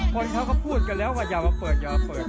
คนเขาก็พูดกันแล้วว่าอย่ามาเปิดอย่าเปิด